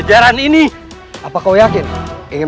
jangan lupa berjuang sampai loncat